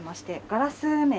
ガラス面？